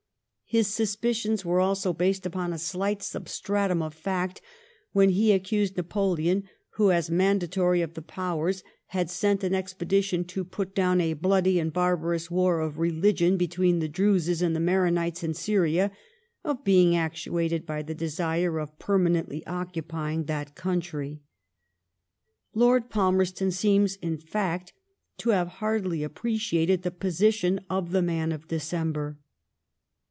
His suspicions were also based upon a slight substratum of fact when he accused Napoleon, who, as mandatory of the Powers, had sent an expedition to put down a bloody and barbarous war of religion be tween the Druses and Maronites in Syria, of being actuated by the desire of permanently occupying that country. Lord Palmerston seems, in fact, to have hardly appreciated the position of the man of Decem ber.